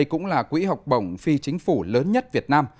cũng là quỹ học bổng phi chính phủ lớn nhất việt nam